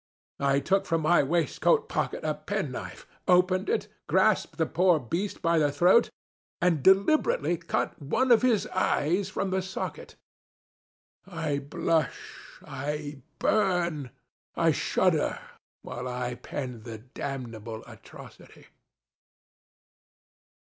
I took from my waistcoat pocket a pen knife, opened it, grasped the poor beast by the throat, and deliberately cut one of its eyes from the socket! I blush, I burn, I shudder, while I pen the damnable atrocity.